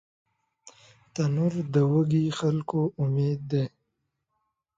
تنور د وږي خلکو امید دی